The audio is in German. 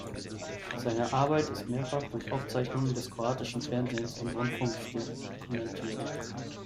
Seine Arbeit ist mehrfach durch Aufzeichnungen des kroatischen Fernsehens und Rundfunks dokumentiert.